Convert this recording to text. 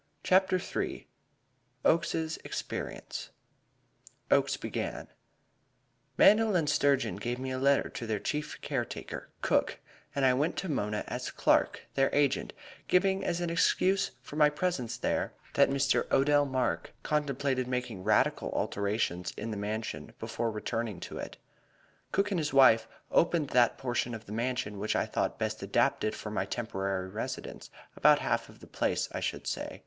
CHAPTER III Oakes's Experience Oakes began: "Mandel & Sturgeon gave me a letter to the chief care taker, Cook, and I went to Mona as Clark, their agent, giving as an excuse for my presence there that Mr. Odell Mark contemplated making radical alterations in the Mansion before returning to it. Cook and his wife opened that portion of the Mansion which I thought best adapted for my temporary residence about half of the place, I should say.